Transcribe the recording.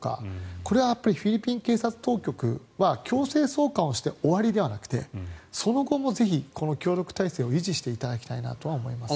これはフィリピン警察当局は強制送還をして終わりではなくてその後もぜひ、協力体制を維持していただきたいなとは思いますね。